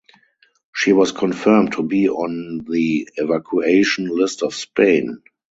She was confirmed to be on the evacuation list of Spain.